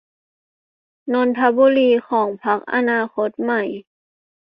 นนทบุรีของพรรคอนาคตใหม่